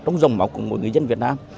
trong dòng máu của mỗi người dân việt nam